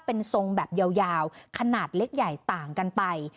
เป็นทรงแบบยาวขนาดเล็กใหญ่ต่างกันไป